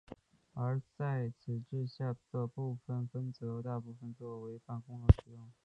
而在此之下的部分则大部分作为办公楼使用。